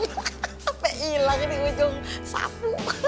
sampai hilang di ujung sapu